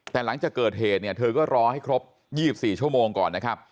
แต่หลังจากเกิดเหตุเนี่ยเธอก็รอให้ครบ๒๔ชั่วโมงก่อนนะครับ